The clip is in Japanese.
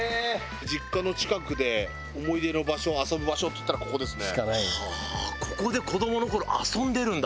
実家の近くで思い出の場所遊ぶ場所っていったらここですね。